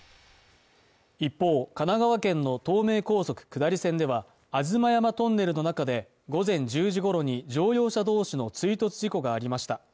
一方、神奈川県の東名高速下り線では、吾妻山トンネルの中で午前１０時ごろに乗用車同士の追突事故がありました。